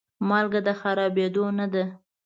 مالګه د خرابېدو نه ده.